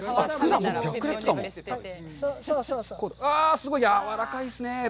すごい柔わらかいですね。